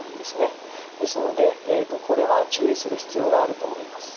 ですのでこれは注意する必要があると思います。